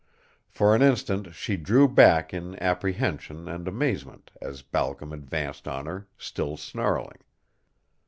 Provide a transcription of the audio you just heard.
For an instant she drew back in apprehension and amazement as Balcom advanced on her, still snarling.